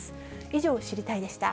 以上、知りたいッ！でした。